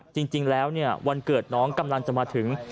จริงแล้ววันเกิดน้องกำลังจะมาถึง